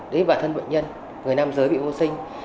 đấy bản thân bệnh nhân người nam giới bị vô sinh